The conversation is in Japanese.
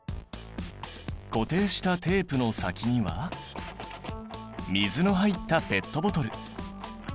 固定したテープの先には水の入ったペットボトル。